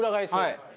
はい。